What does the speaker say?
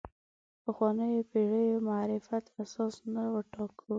پخوانیو پېړیو معرفت اساس نه وټاکو.